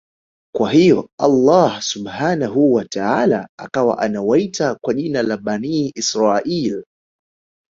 Kwa hiyo Allaah Subhaanahu wa Taala akawa Anawaita kwa jina la Bani Israaiyl